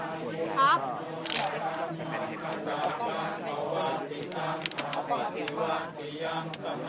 มีผู้ที่ได้รับบาดเจ็บและถูกนำตัวส่งโรงพยาบาลเป็นผู้หญิงวัยกลางคน